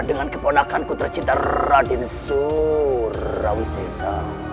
dengan keponakan ku tercinta raden surawisesa